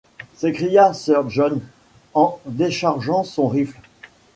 s’écria sir John, en déchargeant son rifle.